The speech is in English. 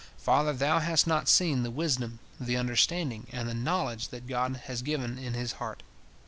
Father, thou hast not seen the wisdom, the understanding, and the knowledge that God has given in his heart.